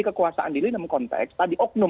kekuasaan diri dalam konteks tadi oknum